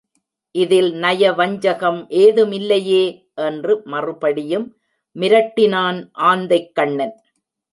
இதில் நயவஞ்சகம் ஏதுமில்லையே? என்று மறுபடியும் மிரட்டினான் ஆந்தைக் கண்ணன்.